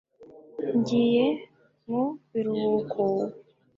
ngiye mu biruhuko